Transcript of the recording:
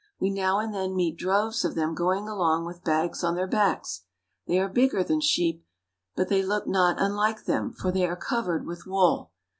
We now and then meet droves of them going along with bags on their backs. They are bigger than sheep, but they look not unlike them, for they are covered with wool.